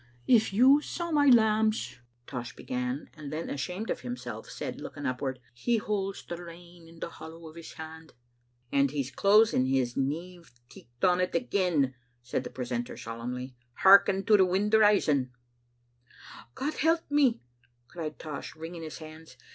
"If you saw my lambs," Tosh began; and then, ashamed of himself, said, looking upward, " He holds the rain in the hollow of His hand." "And He's closing His neive ticht on't again," said the precentor solemnly. " Hearken to the wind rising !" "God help me!" cried Tosh, wringing his hands.